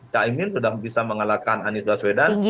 kak imin sudah bisa mengalahkan anies baswedan